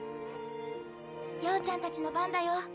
曜ちゃんたちの番だよ。